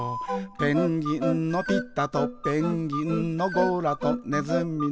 「ペンギンのピタとペンギンのゴラとねずみのスーと」